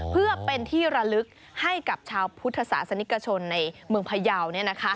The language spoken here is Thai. เพื่อเป็นที่ระลึกให้กับชาวพุทธศาสนิกชนในเมืองพยาว